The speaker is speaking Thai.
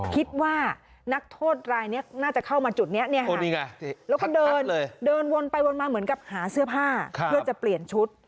คิดว่านักโทษรายนี้น่าจะเข้ามาจุดนี้แล้วก็เดินเดินวนไปวนมาเหมือนกับหาเสื้อผ้าเพื่อจะเปลี่ยนชุด